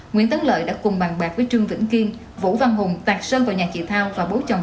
nguyễn tấn lợi đã cùng bàn bạc với trương vĩnh kiên vũ văn hùng tạc sơn vào nhà chị thao và bố chồng